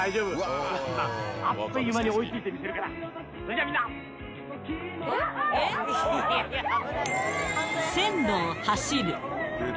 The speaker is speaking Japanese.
お父さんな、あっという間に追いついてみせるから、それじゃみん線路を走る。